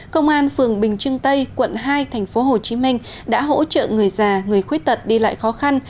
công an phường bình trưng tây quận hai tp hcm đã hỗ trợ người già người khuyết tật đi lại khó khăn